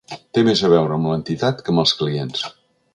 Té més a veure amb l’entitat que amb els clients.